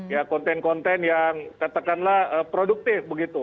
ya konten konten yang katakanlah produktif begitu